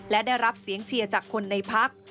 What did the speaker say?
และได้รับเสียงเชียร์จากคนในพัก